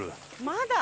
まだ？